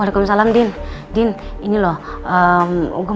alloh saya basesdai bersama rena